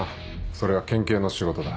それは県警の仕事だ。